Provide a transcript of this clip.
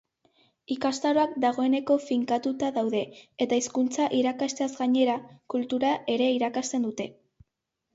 Ikastaroak dagoeneko finkatuta daude eta hizkuntza irakasteaz gainera, kultura ere irakasten dute.